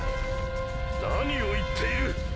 何を言っている！？